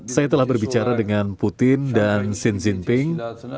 saya telah berbicara dengan putin dan xi jinping